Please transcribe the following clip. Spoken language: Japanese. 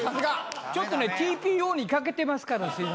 ちょっとＴＰＯに欠けてますから。